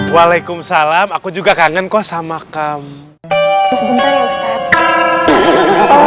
waalaikumsalam aku juga kangen kok sama kamu sebentar ya ustaz